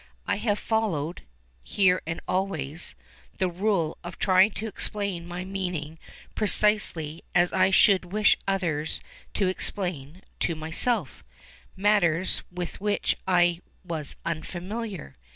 I have followed—here and always—the rule of trying to explain my meaning precisely as I should wish others to explain, to myself, matters with which I was unfamiliar.